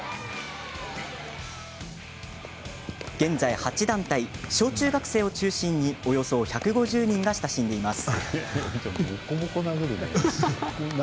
現在、８団体、小中学生を中心におよそ１５０人が親しんでいます。